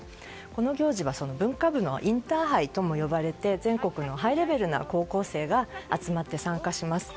この行事は、文化部のインターハイとも呼ばれて全国のハイレベルな高校生が集まって参加します。